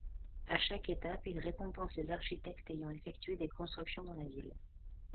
À chaque étape, il récompense les architectes ayant effectué des constructions dans la ville.